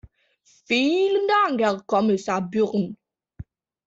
Vielen Dank, Herr Kommissar Byrne.